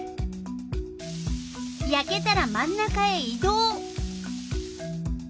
やけたら真ん中へい動。